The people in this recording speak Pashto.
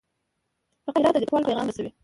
فقره د لیکوال پیغام رسوي.